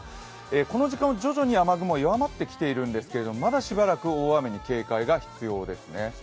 この時間、徐々に雨雲は弱まっているんですけれどもまだしばらく大雨に警戒が必要ですね。